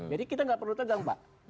jadi kita gak perlu tegang pak